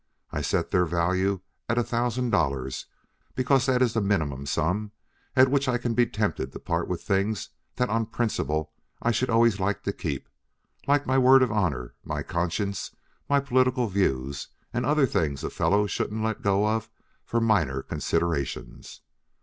I set their value at a thousand dollars because that is the minimum sum at which I can be tempted to part with things that on principle I should always like to keep like my word of honor, my conscience, my political views, and other things a fellow shouldn't let go of for minor considerations.